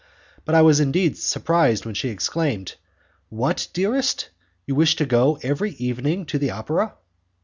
But I was indeed surprised when she exclaimed, "What, dearest! You wish to go every evening to the opera?"